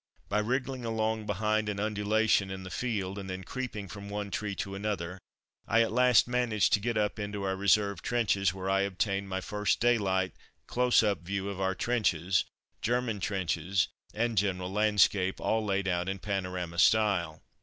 By wriggling along behind an undulation in the field, and then creeping from one tree to another, I at last managed to get up into our reserve trenches, where I obtained my first daylight, close up view of our trenches, German trenches, and general landscape; all laid out in panorama style.